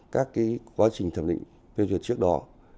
các cái quá trình thẩm định phương chuẩn trước đó